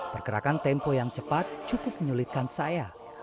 pergerakan tempo yang cepat cukup menyulitkan saya